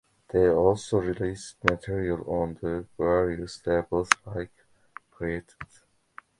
They also released material on the various labels Ike created.